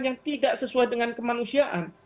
yang tidak sesuai dengan kemanusiaan